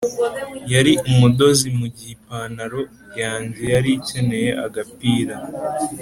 yari umudozi mugihe ipantaro yanjye yari ikeneye agapira.